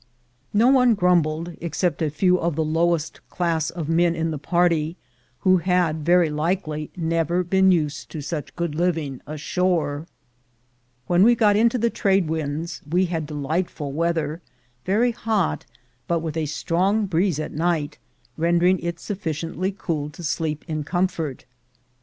No one 20 THE GOLD HUNTERS grumbled, excepting a few of the lowest class of men in the party, who had very likely never been used to such good livmg ashore. When we got into the trade winds we had delight ful weather, very hot, but with a strong breeze at night, rendering it sufficiently cool to sleep in com fort.